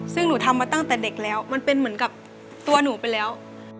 ซึ่งหนูทำมาตั้งแต่เด็กแล้วมันเป็นเหมือนกับตัวหนูไปแล้ว